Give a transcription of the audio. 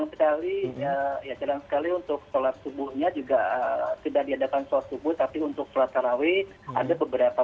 untuk sholat subuhnya juga tidak diadakan sholat subuh tapi untuk sholat taraweh ada beberapa